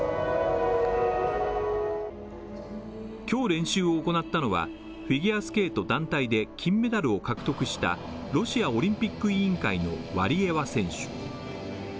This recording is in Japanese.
今日、練習を行ったのは、フィギュアスケート団体で金メダルを獲得したロシアオリンピック委員会のワリエワ選手。